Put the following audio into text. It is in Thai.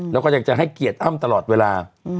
แล้วก็อยากจะให้เกียรติอ้ำตลอดเวลา